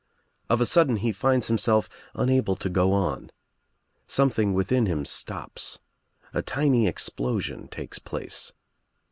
Of a sudden he finds himself unable to go on. Something within him stops, A tiny explosion takes place.